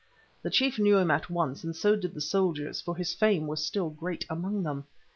The chief knew him at once, and so did the soldiers, for his fame was still great among them.